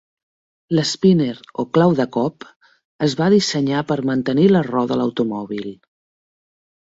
L'spinner o "clau de cop" es va dissenyar per mantenir la roda a l'automòbil.